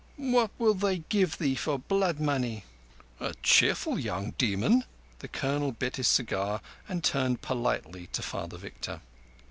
What will they give thee for blood money?" "A cheerful young demon!" The Colonel bit his cigar, and turned politely to Father Victor.